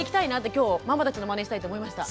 今日ママたちのマネしたいと思いました。